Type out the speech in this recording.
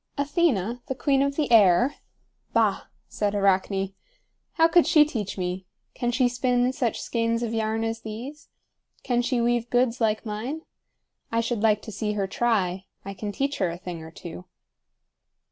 "Athena, the queen of the air? Bah!" said Arachne. "How could she teach me? Can she spin such skeins of yarn as these? Can she weave goods like mine? I should like to see her try. I can teach her a thing or two."